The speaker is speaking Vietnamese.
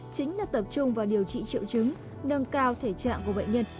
chính là tập trung vào điều trị triệu chứng nâng cao thể trạng của bệnh nhân